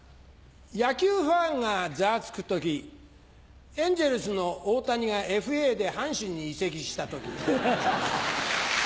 野球ファンがざわつく時エンゼルスの大谷がＦＡで阪神に移籍した時。